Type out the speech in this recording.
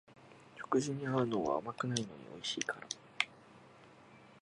食事に合うのは甘くないのにおいしいから